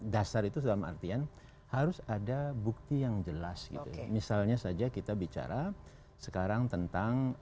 dasar itu dalam artian harus ada bukti yang jelas gitu misalnya saja kita bicara sekarang tentang